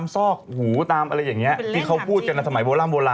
ปกติพวกนี้มันชอบกะไปตามซอง